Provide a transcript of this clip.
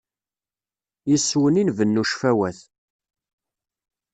Yes-wen i nbennu cfawat.